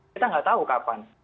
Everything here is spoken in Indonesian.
kita nggak tahu kapan